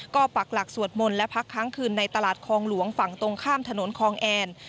ก็ปักหลักสวดมนต์และพักค้างคืนในตลาดคลองหลวงฝั่งตรงข้ามถนนคลองแอน